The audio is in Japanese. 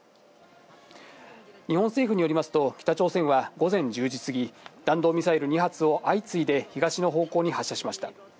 日本政府によりますと、北朝鮮は午前１０時過ぎ、弾道ミサイル２発を相次いで東の方向に発射しました。